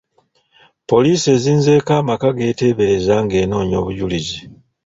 Poliisi ezinzeeko amaka g'eteebereza ng'enoonya obujulizi.